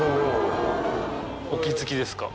お気付きですか？